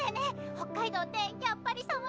北海道ってやっぱり寒いの？